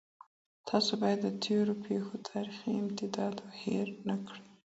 تاسو بايد د تېرو پېښو تاريخي امتداد هېر نه کړئ.